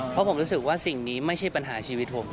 เพราะผมรู้สึกว่าสิ่งนี้ไม่ใช่ปัญหาชีวิตผม